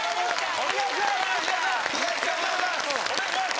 お願いします